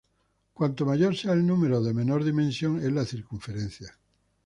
Cuanto mayor sea el número de menor dimensión es la circunferencia.